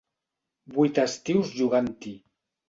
Vuit estius jugant-hi.